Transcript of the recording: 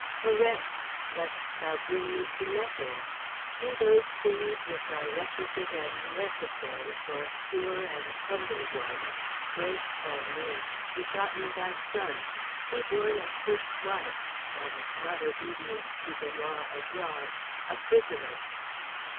"Correct, lest thou bring me to nothing. "Do those things which are requisite and necessary for a pure and humble one, Grace by name, begotten by son, he born of first wife and not obedient to the law abroad, a prisoner.